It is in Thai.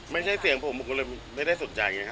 ไม่ใช่เสียงผมไม่ได้สนใจ